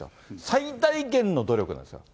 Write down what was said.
最大限の努力なんですよ。